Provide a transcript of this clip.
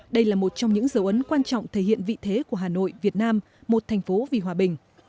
đây là một trong những dấu ấn quan trọng thể hiện vị thế của hà nội việt nam một thành phố vì hòa bình